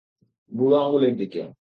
বুড়ো আঙুলের দিকে।